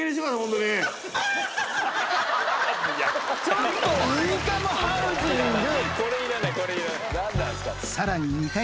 ちょっといいかもハウジング！